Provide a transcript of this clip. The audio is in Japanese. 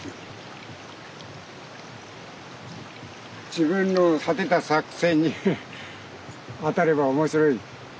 自分の立てた作戦に当たれば面白い。